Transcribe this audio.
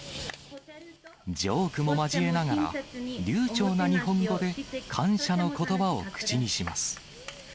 ジョークも交えながら、流ちょうな日本語で感謝のことばを口にします。